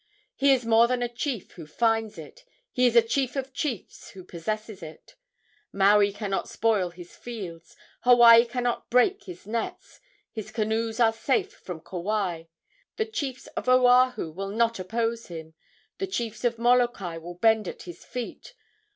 He is more than a chief who finds it, He is a chief of chiefs who possesses it. Maui cannot spoil his fields, Hawaii cannot break his nets; His canoes are safe from Kauai; The chiefs of Oahu will not oppose him, The chiefs of Molokai will bend at his feet.